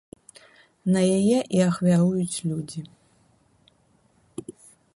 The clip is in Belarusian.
На яе і ахвяруюць людзі.